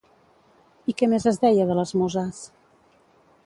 I què més es deia de les Muses?